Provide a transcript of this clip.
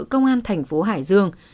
công an thành phố hải dương